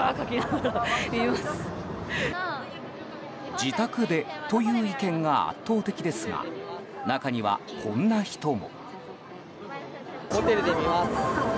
自宅でという意見が圧倒的ですが中には、こんな人も。